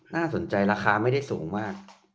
น่าสนใจราคาไม่ได้สูงมาก